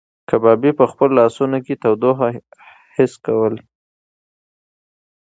کبابي په خپلو لاسو کې تودوخه حس کوله.